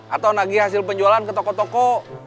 atau nagih hasil penjualan ke toko toko